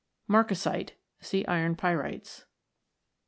Marcasite. See Iron Pyrites.